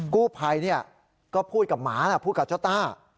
กู้ภัยก็พูดกับหมานะพูดกับเจ้าต้า